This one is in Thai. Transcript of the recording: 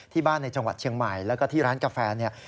ในจังหวัดเชียงใหม่แล้วก็ที่ร้านกาแฟเนี่ย